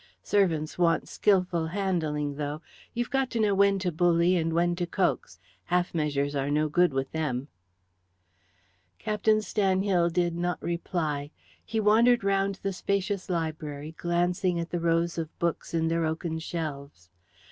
Servants want skilful handling, though. You've got to know when to bully and when to coax. Half measures are no good with them." Captain Stanhill did not reply. He wandered round the spacious library, glancing at the rows of books in their oaken shelves.